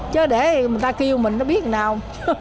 chứ để người ta kêu mình nó biết nào